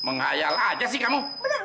menghayal aja sih kamu